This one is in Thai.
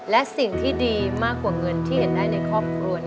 และสิ่งที่ดีมากกว่าเงินที่เห็นได้ในครอบครัว